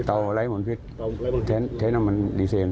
เตาไร้หมดพิษใช้น้ำมันลีเซน